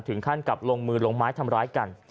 ถึงขั้นกับลงมือลงไม้ทำร้ายกัน